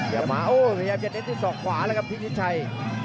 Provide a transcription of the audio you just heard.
อยากมาโอ้สะยาบจะเต้นที่ศอกขวาแล้วครับพี่จิตชัย